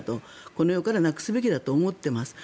この世からなくすべきだと思っています。